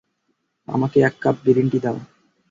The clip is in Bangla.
আমাকে এক কাপ গ্রিন টি দাও।